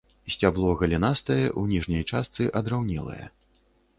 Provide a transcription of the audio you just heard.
Сцябло галінастае, у ніжняй частцы адраўнелае.